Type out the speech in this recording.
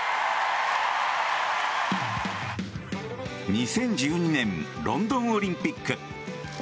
２０１２年ロンドンオリンピック。